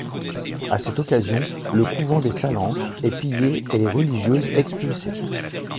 À cette occasion, le couvent des Salenques est pillé et les religieuses expulsées.